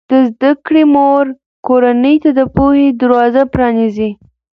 د زده کړې مور کورنۍ ته د پوهې دروازه پرانیزي.